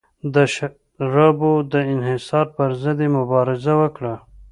د شرابو د انحصار پرضد یې مبارزه وکړه.